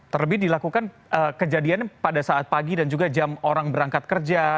terlebih dilakukan kejadian pada saat pagi dan juga jam orang berangkat kerja